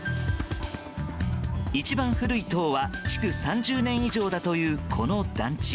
一番古い棟は築３０年以上だというこの団地。